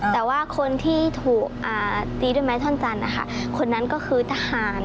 แต่ว่าคนที่ถูกตีด้วยไม้ท่อนจันทร์นะคะคนนั้นก็คือทหาร